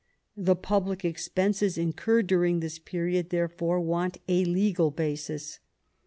The public expenses incurred during this period therefore want a legal basis.